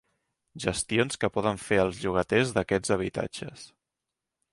Gestions que poden fer els llogaters d'aquests habitatges.